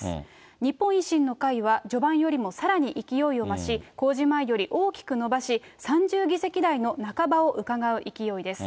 日本維新の会は、序盤よりもさらに勢いを増し、公示前より大きく伸ばし、３０議席台の半ばをうかがう勢いです。